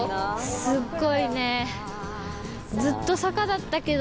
すっごいね。